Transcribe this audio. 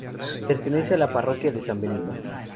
Pertenece a la parroquia San Benito.